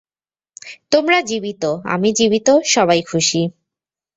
তোমরা জীবিত, আমি জীবিত, সবাই খুশি।